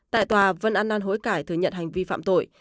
tại tòa vân an an hối cải thừa nhận hành vi phạm tội